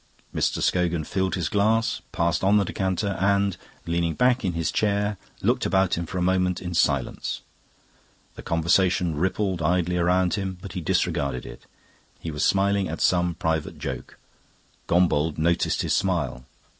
Mr. Scogan filled his glass, passed on the decanter, and, leaning back in his chair, looked about him for a moment in silence. The conversation rippled idly round him, but he disregarded it; he was smiling at some private joke. Gombauld noticed his smile.